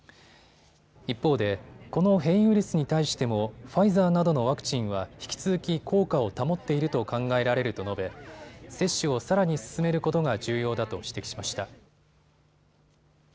一方でこの変異ウイルスに対してもファイザーなどのワクチンは引き続き効果を保っていると考えられると述べ接種をさらに進めることが重要だと指摘しました。